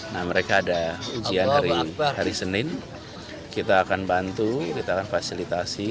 nah mereka ada ujian hari senin kita akan bantu kita akan fasilitasi